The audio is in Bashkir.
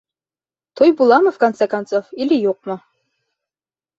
Туй буламы в конце-концов или юҡмы?